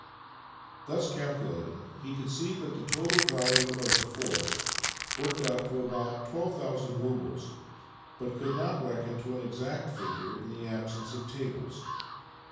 Thus calculating, he could see that the total value of the forest worked out at about 12,000 roubles, but could not reckon to an exact figure in the absence of tables.